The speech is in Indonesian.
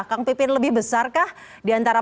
kang pipin lebih besarkah diantara